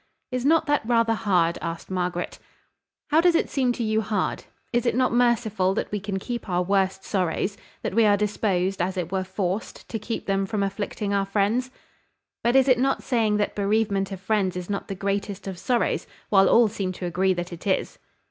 "Is not that rather hard?" asked Margaret. "How does it seem to you hard? Is it not merciful that we can keep our worst sorrows, that we are disposed, as it were forced, to keep them from afflicting our friends?" "But is it not saying that bereavement of friends is not the greatest of sorrows, while all seem to agree that it is?"